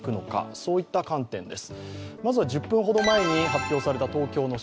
そういった観点です。